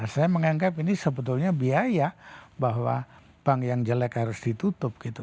saya menganggap ini sebetulnya biaya bahwa bank yang jelek harus ditutup gitu